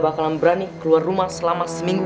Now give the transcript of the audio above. bakalan berani keluar rumah selama seminggu